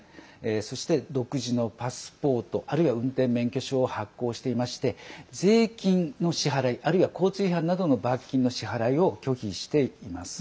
そして、独自のパスポートあるいは運転免許証を発行していまして税金の支払いあるいは交通違反などの罰金の支払いを拒否しています。